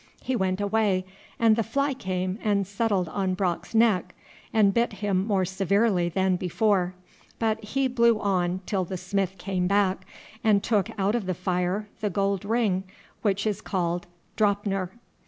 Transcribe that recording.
He went away, and the fly came and settled on Brock's neck, and bit him more severely than before, but he blew on till the smith came back, and took out of the fire the gold ring which is called Draupnir.